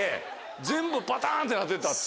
全部バタンってなってたって。